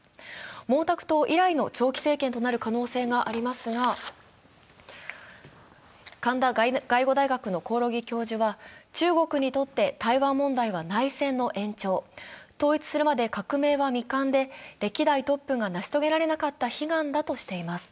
毛沢東以来の長期政権となる可能性がありますが、神田外語大学の興梠教授は、中国にとって台湾問題は内戦の延長、統一するまで革命は未完で歴代トップが成し遂げられなかった悲願だとしています。